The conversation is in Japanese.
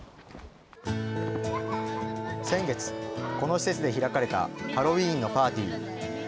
先月、この施設で開かれたハロウィーンのパーティー。